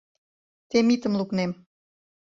Темитым лукнем.